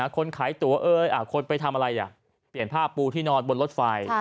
คนขายตัวเอ้ยคนไปทำอะไรเปลี่ยนผ้าปูที่นอนบนรถไฟ